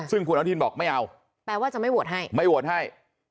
ซึ่งคุณอนุทินบอกไม่เอาแปลว่าจะไม่โหวตให้ไม่โหวตให้